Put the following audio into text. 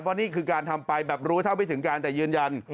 เพราะนี่คือการทำไปแบบรู้เท่าไม่ถึงการแต่ยืนยัน